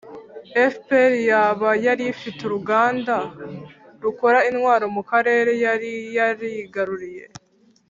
fpr yaba yarifite uruganda rukora intwaro mu karere yari yarigaruriye?